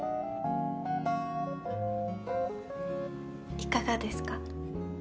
いかがですか？